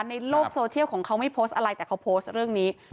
ในโลกโซเชียลของเขาไม่โพสต์อะไรแต่เขาโพสต์เรื่องนี้